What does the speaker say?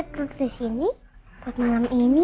ke sini buat malam ini